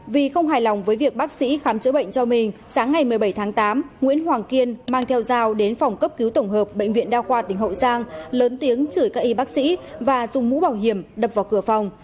vì không hài lòng với việc bác sĩ khám chữa bệnh cho mình sáng ngày một mươi bảy tháng tám nguyễn hoàng kiên mang theo dao đến phòng cấp cứu tổng hợp bệnh viện đa khoa tỉnh hậu giang lớn tiếng chửi các y bác sĩ và dùng mũ bảo hiểm đập vào cửa phòng